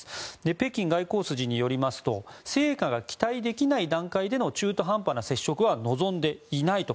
北京外交筋によりますと成果が期待できない段階での中途半端な接触は望んでいないと。